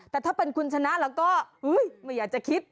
แต่ถ้าเป็นคุณชนะแล้วก็ไม่อยากจะคิด